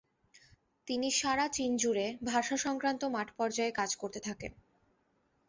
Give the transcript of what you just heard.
তিনি সারা চীনজুড়ে ভাষা সংক্রান্ত মাঠ পর্যায়ের কাজ করতে থাকেন।